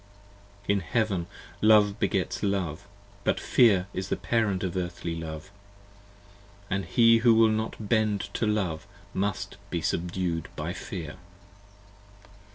15 In Heaven Love begets Love: but Fear is the Parent of Earthly Love! 1 6 And he who will not bend to Love must be subdu'd by Fear.